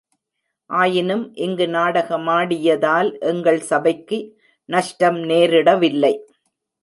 ஆயினும் இங்கு நாடகமாடியதால் எங்கள் சபைக்கு நஷ்டம் நேரிடவில்லை.